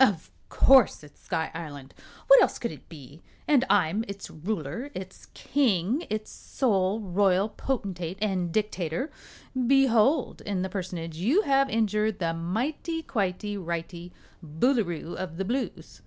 "Of course it's Sky Island. What else could it be? And I'm its Ruler its King its sole Royal Potentate and Dictator. Behold in the Personage you have injured the Mighty Quitey Righty Boolooroo of the Blues!"